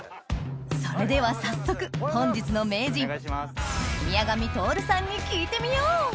それでは早速本日の名人に聞いてみよう！